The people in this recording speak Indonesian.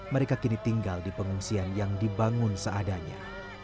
mereka kini tinggal di pengungsian yang dibangun seadanya